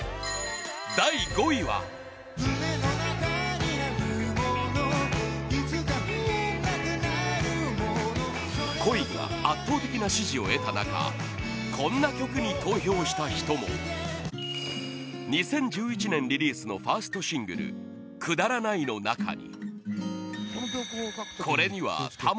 第５位は「恋」が圧倒的な支持を得た中こんな曲に投票した人も２０１１年リリースのファーストシングル「くだらないの中に」